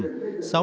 sáu tháng cuối năm